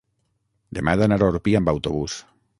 demà he d'anar a Orpí amb autobús.